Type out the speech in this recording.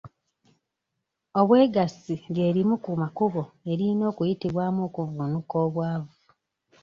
Obwegassi lye limu ku makubo eriyina okuyitibwamu okuvvuunuka obwavu.